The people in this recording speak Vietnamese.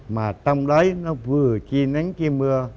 mà trong đấy nó vừa chi nắng chi mưa